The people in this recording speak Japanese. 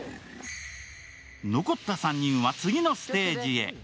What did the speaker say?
残った３人は次のステージへ。